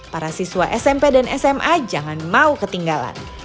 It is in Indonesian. para siswa smp dan sma jangan mau ketinggalan